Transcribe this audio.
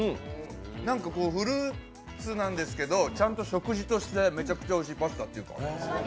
なんかフルーツなんですけど、ちゃんと食事としてめちゃくちゃおいしいパスタって感じ。